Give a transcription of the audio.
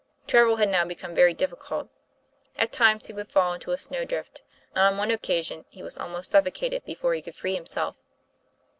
Travel had now become very difficult. At times he would fall into a snow drift, and on one occasion he was almost suffocated before he could free himself.